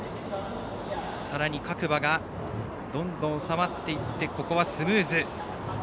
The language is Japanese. さらに各馬が、どんどん収まってここはスムーズ。